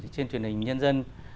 trên truyền hình nhân dân